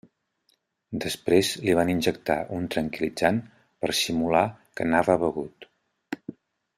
Després li van injectar un tranquil·litzant, per simular que anava begut.